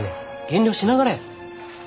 減量しながらや。